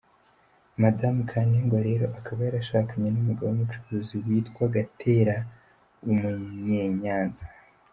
Madame Kantengwa rero akaba yarashakanye n’umugabo w’ Umucuruzi witwa Gatera A. w’ Umunyenyanza.